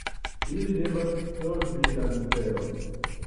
Ili devas solvi la misteron.